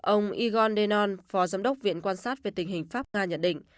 ông igor denon phò giám đốc viện quan sát về tình hình pháp nga nhận định